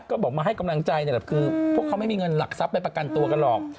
ก็บอกมาให้กำลังใจนี่แหละคือพวกเขาไม่มีเงินหลักทรัพย์ไปประกันตัวกันหรอก